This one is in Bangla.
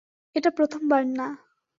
এটা প্রথমবার না।